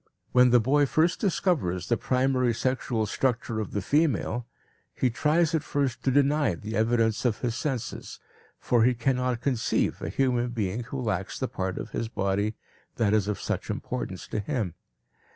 When the boy first discovers the primary sexual structure of the female, he tries at first to deny the evidence of his senses, for he cannot conceive a human being who lacks the part of his body that is of such importance to him.